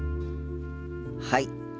はい。